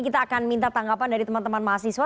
kita akan minta tanggapan dari teman teman mahasiswa